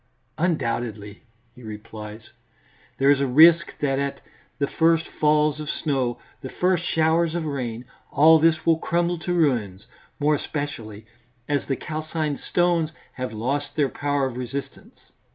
"Undoubtedly," he replies, "there is a risk that at the first falls of snow, the first showers of rain, all this will crumble to ruins, more especially as the calcined stones have lost their power of resistance.